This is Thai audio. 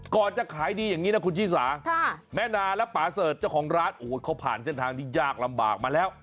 ก่อนจะขายดีอย่างนี้นะคุณชิสาแม่นาและป่าเสิร์ชเจ้าของร้านโอ้โหเขาผ่านเส้นทางที่ยากลำบากมาแล้ว